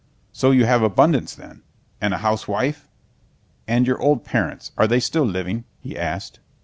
So you have abundance, then? And a housewife? And your old parents, are they still living?" he asked.